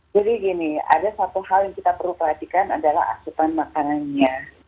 jadi gini ada satu hal yang kita perlu perhatikan adalah aksesan makanannya